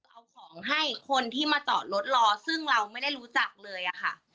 เอาของให้คนที่มาจอดรถรอซึ่งเราไม่ได้รู้จักเลยอะค่ะ